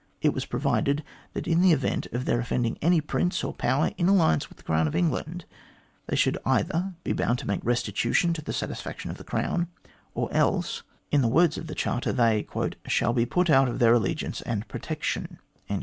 It was provided that in the event of their offending any Prince or Power in alliance with the Crown of England, they should either be bound to make restitution to the satisfaction of the Crown, or else, in the MR GLADSTONE'S TRUE PRINCIPLES OF COLONISATION 215 words of the Charter, they " shall be put out of the allegiance and protection."